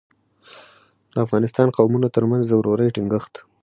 د افغانستان قومونو ترمنځ د ورورۍ ټینګښت.